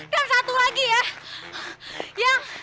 dan satu lagi ya